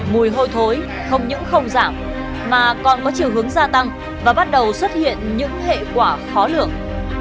mùi hôi thối không những không giảm mà còn có chiều hướng gia tăng và bắt đầu xuất hiện những hệ quả khó lường